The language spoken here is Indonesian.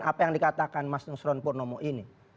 apa yang dikatakan mas nusron purnomo ini